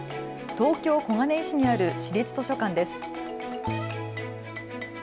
東京小金井市にある市立図書館です。